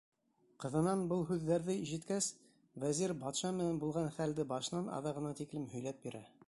Ҡыҙынан был һүҙҙәрҙе ишеткәс, вәзир батша менән булған хәлде башынан аҙағына тиклем һөйләп бирә.